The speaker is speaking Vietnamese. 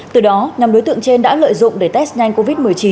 từ đó nhóm đối tượng trên đã lợi dụng để test nhanh covid một mươi chín